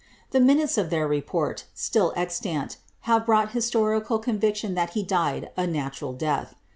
The minutes of their report, still extant, have brought historical conviction that he died a natural death.'